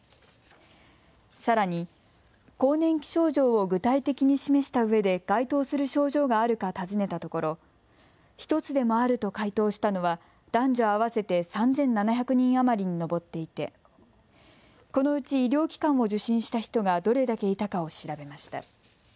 さらに、更年期症状を具体的に示したうえで、該当する症状があるか尋ねたところ、１つでもあると回答したのは、男女合わせて３７００人余りに上っていて、このうち医療機関を受診した人がどれだけいたかを調べました。